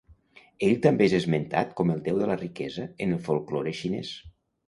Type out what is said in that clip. Ell també és esmentat com el Déu de la Riquesa en el folklore xinès.